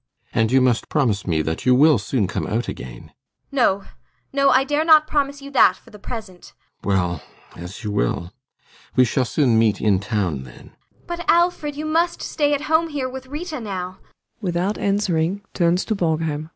And you must promise me that you will soon come out again. ASTA. [Quickly.] No, no, I dare not promise you that, for the present. ALLMERS. Well as you will. We shall soon meet in town, then. ASTA. [Imploringly.] But, Alfred, you must stay at home here with Rita now. ALLMERS. [Without answering, turns to BORGHEIM.